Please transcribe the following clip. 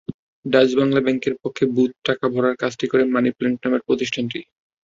ডাচ্-বাংলা ব্যাংকের পক্ষে বুথে টাকা ভরার কাজটি করে মানি প্ল্যান্ট নামের প্রতিষ্ঠানটি।